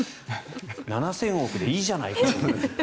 ７０００億円でいいじゃないか。